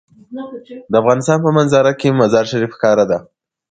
د افغانستان په منظره کې مزارشریف ښکاره ده.